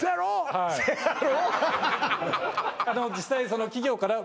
はいせやろ？